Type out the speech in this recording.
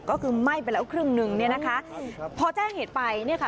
ก็คือไหม้ไปแล้วครึ่งหนึ่งเนี่ยนะคะพอแจ้งเหตุไปเนี่ยค่ะ